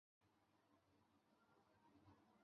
庙也供俸惭愧祖师。